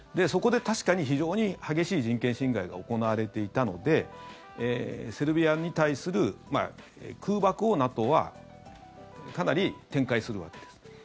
そこで確かに非常に激しい人権侵害が行われていたのでセルビアに対する空爆をＮＡＴＯはかなり展開するわけです。